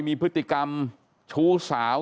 เมื่อยครับเมื่อยครับ